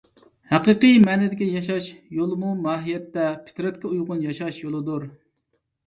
ھەقىقىي مەنىدىكى ياشاش يولىمۇ ماھىيەتتە پىترەتكە ئۇيغۇن ياشاش يولىدۇر.